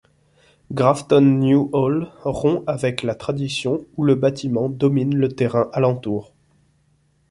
Grafton New Hall rompt avec la tradition où le bâtiment domine le terrain alentour.